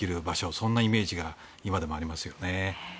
そんなイメージが今でもありますよね。